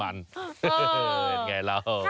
เห็นไงแล้ว